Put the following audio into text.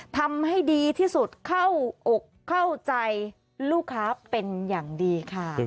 ทำให้ดีที่สุดเข้าอกเข้าใจลูกค้าเป็นอย่างดีค่ะ